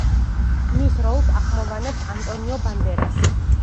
მის როლს ახმოვანებს ანტონიო ბანდერასი.